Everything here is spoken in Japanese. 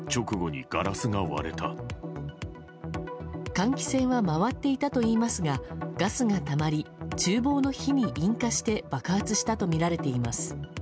換気扇は回っていたといいますがガスがたまり厨房の火に引火して爆発したとみられています。